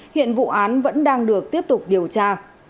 hiện vụ án vẫn đang được tiếp tục điều tra